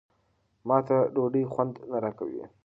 ما ته ډوډۍ خوند نه راکوي.